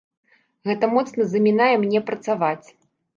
Гэта моцна замінае мне працаваць.